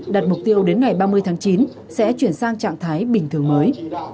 đặt mục tiêu đến ngày ba mươi tháng chín sẽ chuyển sang trạng thái bình thường mới